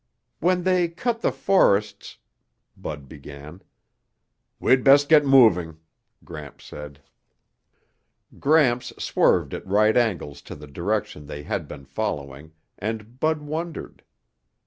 "When they cut the forests ..." Bud began. "We'd best get moving," Gramps said. Gramps swerved at right angles to the direction they had been following and Bud wondered.